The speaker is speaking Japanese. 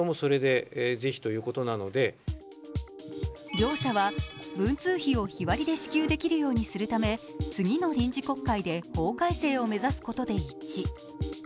両者は文通費を日割りで支給できるようにするため次の臨時国会で法改正を目指すことで一致。